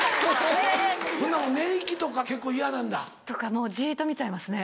ほんなら寝息とか結構嫌なんだ。とかもうじっと見ちゃいますね。